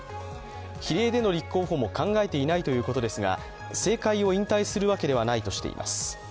比例での立候補も考えていないということですが、政界を引退するわけではないとしています。